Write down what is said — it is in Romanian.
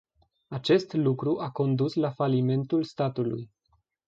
Acest lucru a condus la falimentul statului.